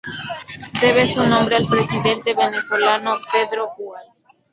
Debe su nombre al presidente venezolano Pedro Gual.